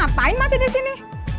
ngapain masih disini